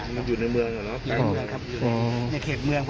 มันอยู่ในเมืองเหรอ